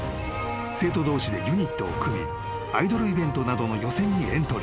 ［生徒同士でユニットを組みアイドルイベントなどの予選にエントリー］